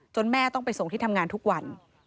แม่ต้องไปส่งที่ทำงานทุกวัน